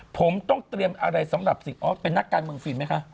ผมต้องเตรียมอะไรสำหรับสิ่งออฟเป็นนักการเมืองฟิล์มไหมคะ